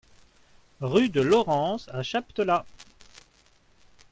Rue de l'Aurence à Chaptelat